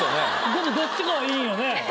でもどっちかはいいんやね。